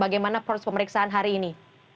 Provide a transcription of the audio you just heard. bagaimana proses pemeriksaan hari ini